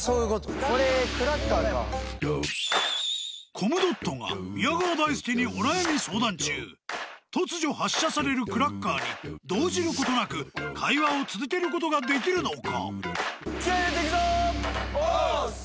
［コムドットが宮川大輔にお悩み相談中突如発射されるクラッカーに動じることなく会話を続けることができるのか？］